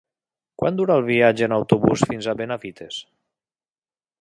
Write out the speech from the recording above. Quant dura el viatge en autobús fins a Benavites?